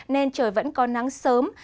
nên trời vẫn có nắng sớm